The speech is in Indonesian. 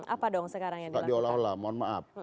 apa dong sekarang yang dilakukan